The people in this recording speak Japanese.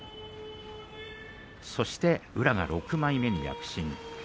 そして宇良が６枚目に躍進しています。